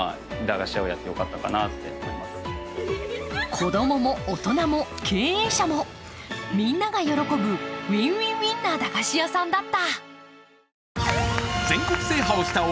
子供も、大人も、経営者も、みんなが喜ぶウィン・ウィン・ウィンな駄菓子屋さんだった。